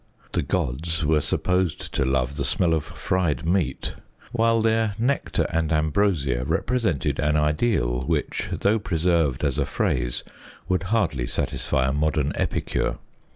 The gods were supposed to love the smell of fried meat', while their nectar and ambrosia represented an ideal, which, though preserved as a phrase, would hardly satisfy a modern epicure.